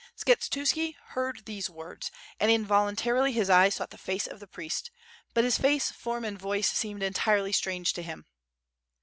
Skshetuski heard these words and involuntarily his eyes sought the face of the priest, but his face, form, and voice seemed entirely strange to him.